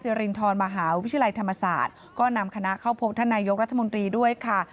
รินทรมหาวิทยาลัยธรรมศาสตร์ก็นำคณะเข้าพบท่านนายกรัฐมนตรีด้วยค่ะ